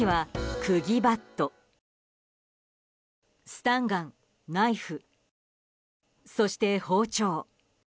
スタンガン、ナイフそして包丁。